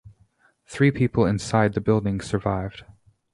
Three people inside the building survived.